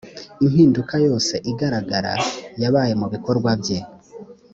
impinduka yose igaragara yabaye mu bikorwa bye.